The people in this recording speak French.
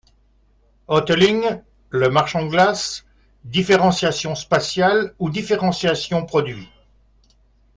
Hotelling, le marchand de glaces, différenciation spatiale ou différenciation produit.